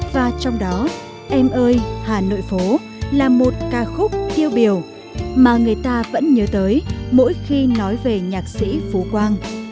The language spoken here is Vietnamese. và trong đó em ơi hà nội phố là một ca khúc tiêu biểu mà người ta vẫn nhớ tới mỗi khi nói về nhạc sĩ phú quang